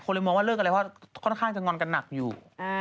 คนเลยมองว่าเลิกกันแล้วว่าค่อนข้างจะงอนกันหนักอยู่